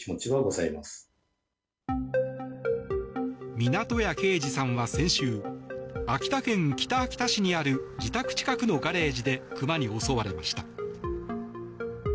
湊屋啓二さんは先週、秋田県北秋田市にある自宅近くのガレージでクマに襲われました。